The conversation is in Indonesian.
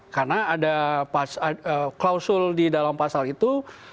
karena ada klausul di dalam pasal itu